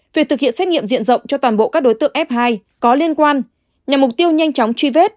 việc thực hiện xét nghiệm diện rộng cho toàn bộ các đối tượng f hai có liên quan nhằm mục tiêu nhanh chóng truy vết